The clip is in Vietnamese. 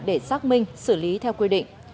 để xác minh xử lý theo quy định